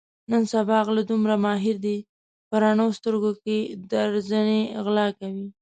د نن سبا غله دومره ماهر دي په رڼو سترګو کې درځنې غلا کوي.